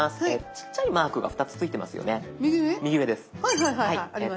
ちっちゃいマークが２つついてますよね。